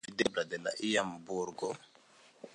Nenio estas videbla de la iama burgo.